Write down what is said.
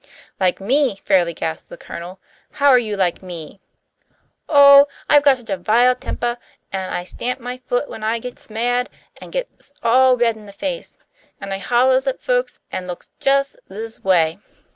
"Like me!" fairly gasped the Colonel. "How are you like me?" "Oh, I'm got such a vile tempah, an' I stamps my foot when I gets mad, an' gets all red in the face. An' I hollahs at folks, an' looks jus' zis way."